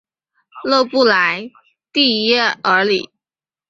勒布莱蒂耶尔里。